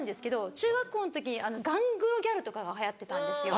中学校の時ガングロギャルとかが流行ってたんですよ。